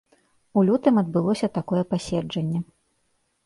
У лютым адбылося такое паседжанне.